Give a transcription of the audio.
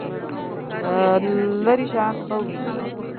لرې شیان ښه وینئ؟